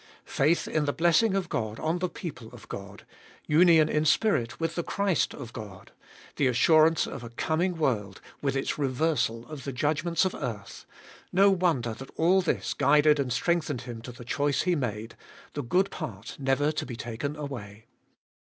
Faith in the blessing of God on the people of God ; union in spirit with the Christ of God ; the assurance of a coming world, with its reversal of the judgments of earth;— no wonder that all this guided and strengthened him to the choice he made — the good part never to be taken away.